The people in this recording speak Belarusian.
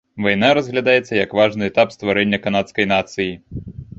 Вайна разглядаецца як важны этап стварэння канадскай нацыі.